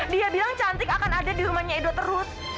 dia bilang cantik akan ada di rumahnya edo terus